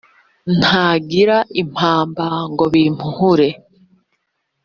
ntangira impamba ngo bimpuhure.